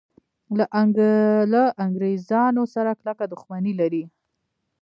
له انګریزانو سره کلکه دښمني لري.